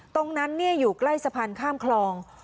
ตรงนั้นอยู่ใกล้สะพานข้ามคลอง